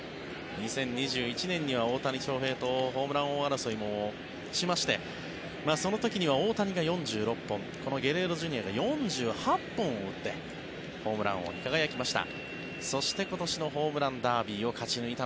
２０２１年には大谷翔平とホームラン王争いもしましてその時には大谷が４６本このゲレーロＪｒ．が４８本を打ってホームラン王に輝きました。